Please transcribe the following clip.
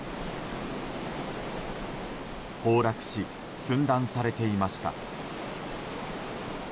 崩落し、寸断されていました。